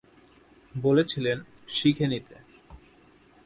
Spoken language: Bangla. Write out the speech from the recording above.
বলেছিলেন, শিখে নিতে।